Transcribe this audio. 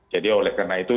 jadi oleh karena itu